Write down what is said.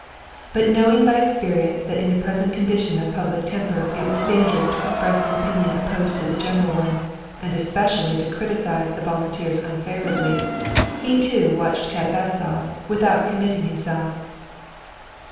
But knowing by experience that in the present condition of the public temper it was dangerous to express an opinion opposed to the general one, and especially to criticize the volunteers unfavorably, he too watched Katavasov without committing himself.